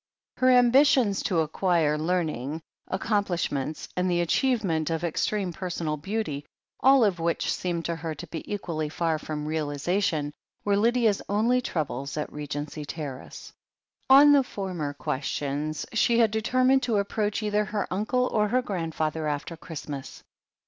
Her ambitions to acquire learning, accomplishments, and the achievement of extreme personal beauty, all of which seemed to her to be equally far from realiza tion, were Lydia's only troubles at Regency Terrace. On the former questions she had determined to ap proach either her uncle or her grandfather after Christ mas.